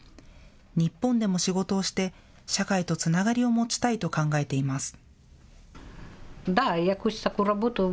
日本でも仕事をして社会とつながりを持ちたいと考えています。